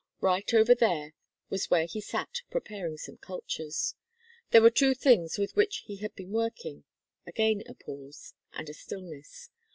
Right over there was where he sat preparing some cultures. There were two things with which he had been working; again a pause, and a stillness.